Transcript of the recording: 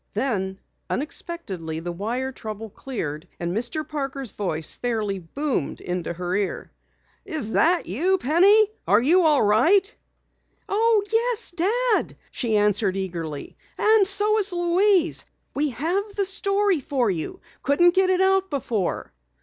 Then unexpectedly the wire trouble cleared and Mr. Parker's voice fairly boomed in her ear. "Is that you, Penny? Are you all right?" "Oh, yes, Dad!" she answered eagerly. "And so is Louise! We have the story for you couldn't get it out before."